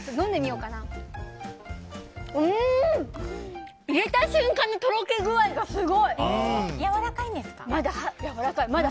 うーん！入れた瞬間にとろけ具合がすごい！やわらかい。